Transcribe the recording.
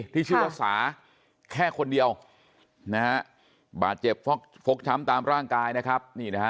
ที่ชื่อว่าสาแค่คนเดียวนะฮะบาดเจ็บฟกช้ำตามร่างกายนะครับ